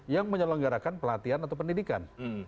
yang menyelenggarakan pelatihan atau pendidikan